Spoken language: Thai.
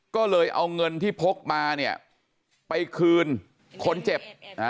ก็เลยเอาเงินที่พกมาเนี่ยไปคืนคนเจ็บ